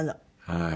はい。